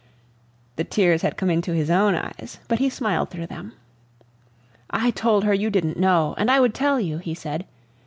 The tears had come into his own eyes, but he smiled through them. "I told her you didn't know, and I would tell you," he said.